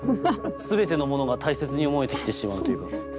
全てのものが大切に思えてきてしまうというか。